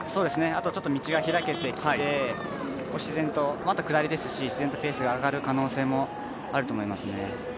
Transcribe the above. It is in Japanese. あと、ちょっと道が開けてきてあと、下りですし自然とペースが上がる可能性があると思います。